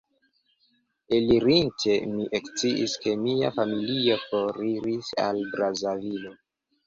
Elirinte, mi eksciis, ke mia familio foriris al Brazavilo.